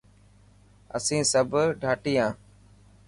اسين سب ڌاٽي هان.